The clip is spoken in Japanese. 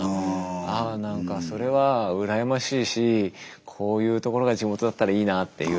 ああ何かそれは羨ましいしこういうところが地元だったらいいなっていう。